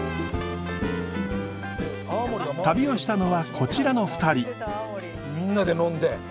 旅をしたのはこちらの２人。